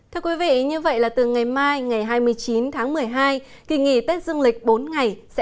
thưa quý vị như vậy là từ ngày mai ngày hai mươi chín tháng một mươi hai kỳ nghỉ tết dương lịch bốn ngày sẽ